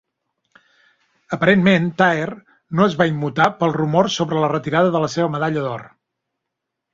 Aparentment, Taher "no es va immutar pels rumors sobre la retirada de la seva medalla d'or".